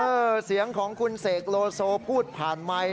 เสียงของคุณเสกโลโซพูดผ่านไมค์